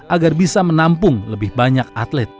agar bisa menampung lebih banyak atlet